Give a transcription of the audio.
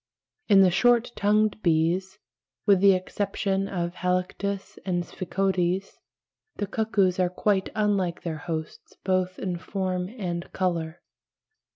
In the short tongued bees, with the exception of Halictus and Sphecodes, the cuckoos are quite unlike their hosts both in form and colour.